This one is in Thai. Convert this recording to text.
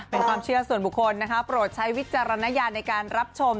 เป็นความเชื่อส่วนบุคคลนะคะโปรดใช้วิจารณญาณในการรับชม